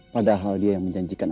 padahal dia yang menjanjikan